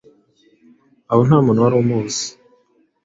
aho nta muntu wari umuzi.